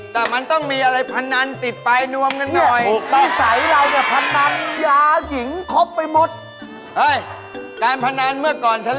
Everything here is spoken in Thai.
หมายถึงหัวฉันเนี่ยไบร์รู้ทุกเรื่อง